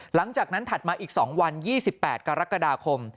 หลังจากนั้นถัดมาอีก๒วัน๒๘กรกฎาคม